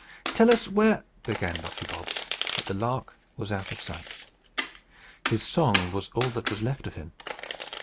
"Tell us where " began Buffy Bob. But the lark was out of sight. His song was all that was left of him.